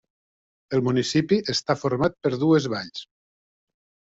El municipi està format per dues valls.